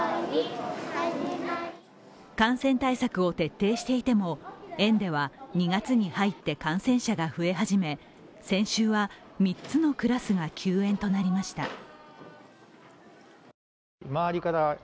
感染対策を徹底していても、園では２月に入って感染者が増え始め先週は、３つのクラスが休園となりました。